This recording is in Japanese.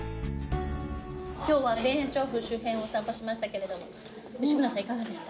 今日は田園調布周辺をお散歩しましたけれども吉村さんいかがでした？